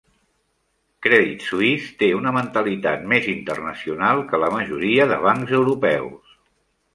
Credit Suisse té una mentalitat més internacional que la majoria de bancs europeus.